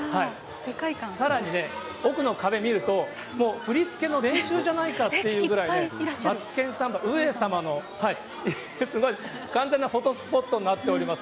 さらにね、奥の壁見るともう振り付けの練習じゃないかっていうぐらいね、マツケンサンバ、上様の、すごい完全なフォトスポットになってます。